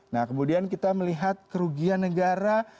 nah kemudian kita melihat kerugian negara